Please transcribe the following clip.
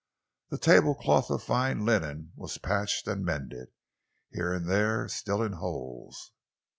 The tablecloth of fine linen was patched and mended here and there still in holes.